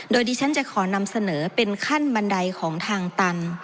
โดยดิฉันจะขอนำเสนอเป็นขั้นบันไดของทางตัน